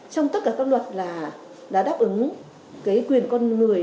trong tất cả các luật là đáp ứng quyền con người